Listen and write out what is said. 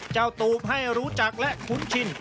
ตูมให้รู้จักและคุ้นชิน